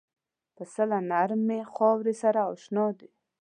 پسه له نرمې خاورې سره اشنا دی.